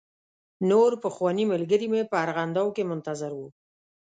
نور پخواني ملګري مې په ارغنداو کې منتظر و.